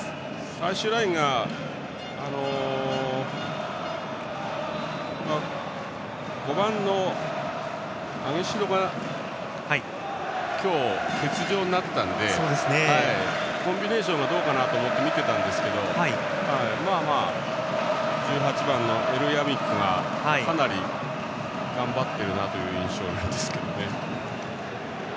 最終ラインが５番のアゲルドが欠場になったんでコンビネーションどうかなと思って見ていたんですが１８番のエルヤミクがかなり頑張ってるなという印象なんですけどね。